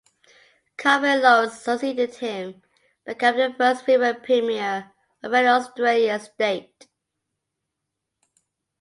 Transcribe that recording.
Carmen Lawrence succeeded him, becoming the first female premier of any Australian state.